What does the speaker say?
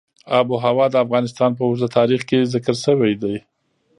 آب وهوا د افغانستان په اوږده تاریخ کې ذکر شوی دی.